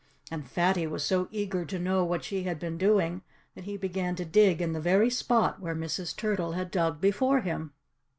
And Fatty was so eager to know what she had been doing that he began to dig in the very spot where Mrs. Turtle had dug before him.